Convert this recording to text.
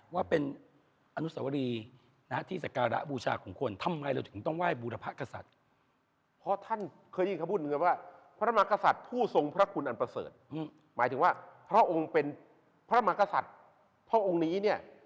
ว่าเป็นอนุสวรีที่ศักรบูชาของคนทำไมเราถึงต้องไหว้บูรพะกษัตริย์